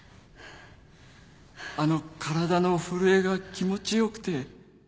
あの体の震えが気持ち良くて